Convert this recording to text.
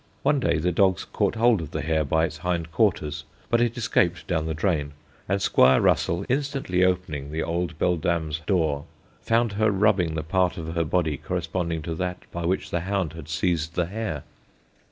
One day the dogs caught hold of the hare by its hind quarters, but it escaped down the drain, and Squire Russell, instantly opening the old beldame's door, found her rubbing the part of her body corresponding to that by which the hound had seized the hare.